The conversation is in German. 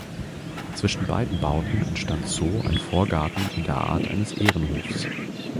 Zwischen beiden Bauten entstand so ein Vorgarten in der Art eines Ehrenhofs.